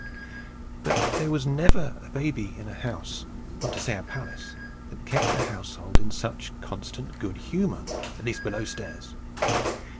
But there never was a baby in a house, not to say a palace, that kept the household in such constant good humour, at least below stairs.